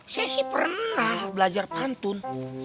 saya sih pernah belajar pantun